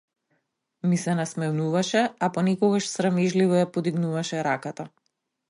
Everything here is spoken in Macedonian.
Ми се насмевнуваше, а понекогаш срамежливо ја подигнуваше раката.